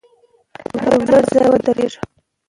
پر لوړ ځای ودریږه.